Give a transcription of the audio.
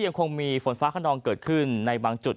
ยังคงมีฝนฟ้าขนองเกิดขึ้นในบางจุด